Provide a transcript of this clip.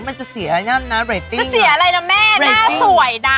มันจะเสียอะไรนะรูปอีกนะจะเสียอะไรนะแม่หน้าสวยนะ